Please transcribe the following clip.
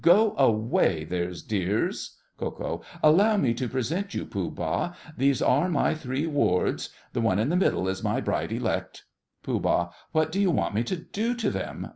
Go away, there's dears. KO. Allow me to present you, Pooh Bah. These are my three wards. The one in the middle is my bride elect. POOH. What do you want me to do to them?